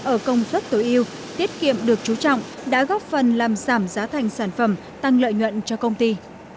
ở công suất tối yêu tiết kiệm được chú trọng đã góp phần làm giảm giá thành sản phẩm tăng lợi nhuận cho công ty